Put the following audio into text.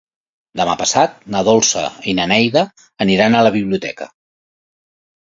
Demà passat na Dolça i na Neida aniran a la biblioteca.